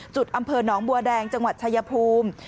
อำเภอหนองบัวแดงจังหวัดชายภูมิ